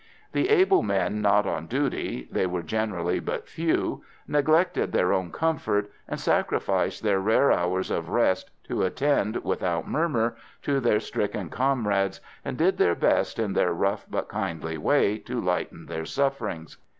The able men not on duty they were generally but few neglected their own comfort, and sacrificed their rare hours of rest to attend, without murmur, to their stricken comrades, and did their best, in their rough but kindly way, to lighten their sufferings.